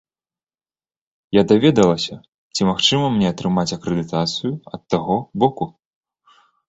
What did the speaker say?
Я даведвалася, ці магчыма мне атрымаць акрэдытацыю ад таго боку.